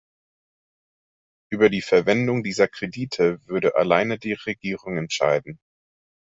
Über die Verwendung dieser Kredite würde alleine die Regierung entscheiden.